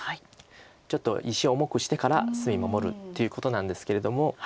ちょっと石重くしてから隅守るっていうことなんですけれども。